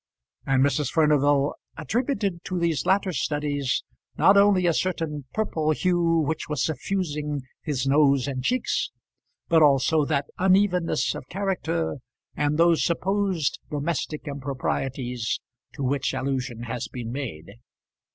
And Mrs. Furnival attributed to these latter studies not only a certain purple hue which was suffusing his nose and cheeks, but also that unevenness of character and those supposed domestic improprieties to which allusion has been made.